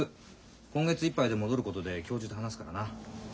今月いっぱいで戻ることで教授と話すからな。